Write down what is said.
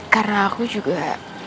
karena aku juga